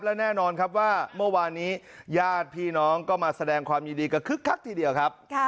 และแน่นอนครับว่าเมื่อวานนี้ญาติพี่น้องก็มาแสดงความยินดีกันคึกคักทีเดียวครับ